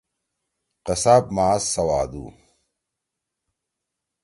قصاب ماس سوادُو۔